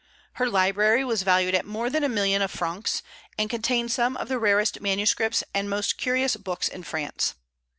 Her library was valued at more than a million of francs, and contained some of the rarest manuscripts and most curious books in France.